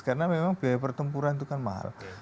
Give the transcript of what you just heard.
karena memang biaya pertempuran itu kan mahal